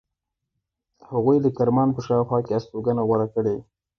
هغوی د کرمان په شاوخوا کې استوګنه غوره کړې.